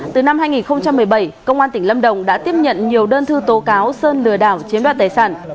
từ năm hai nghìn một mươi bảy công an tỉnh lâm đồng đã tiếp nhận nhiều đơn thư tố cáo sơn lừa đảo chiếm đoạt tài sản